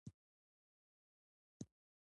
نمک د افغانستان د اقتصادي ودې لپاره ارزښت لري.